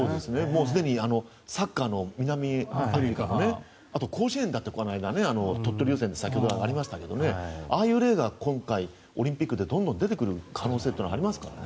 すでにサッカーの南アフリカあと甲子園だってこの間、鳥取予選で先ほどありましたけどああいう例が今回、オリンピックでどんどん出てくる可能性はありますからね。